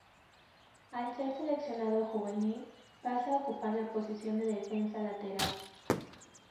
Al ser seleccionado juvenil, pasa a ocupar la posición de defensa lateral.